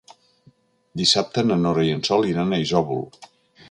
Dissabte na Nora i en Sol iran a Isòvol.